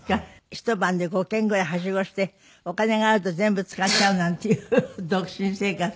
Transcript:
ひと晩で５軒ぐらいハシゴしてお金があると全部使っちゃうなんていう独身生活。